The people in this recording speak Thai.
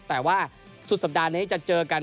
แต่ว่าสุดสัปดาห์นี้จะเจอกัน